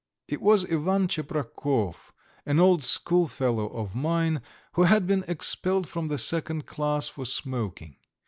It was Ivan Tcheprakov, an old schoolfellow of mine, who had been expelled from the second class for smoking.